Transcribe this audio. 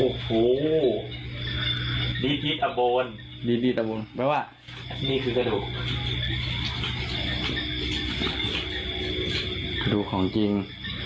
กระดูกของจริง